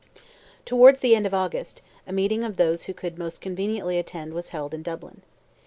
Towards the end of August, a meeting of those who could most conveniently attend was held in Dublin.